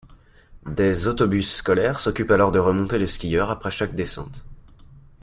Des d'autobus scolaires s'occupent alors de remonter les skieurs après chaque descente.